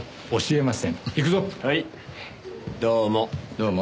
どうも。